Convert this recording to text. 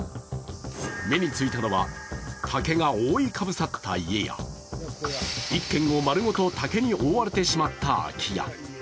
目についたのは竹が覆いかぶさった家や１軒を丸ごと竹に覆われてしまった空き家。